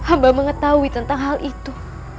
hamba mengetahui tentang hal itu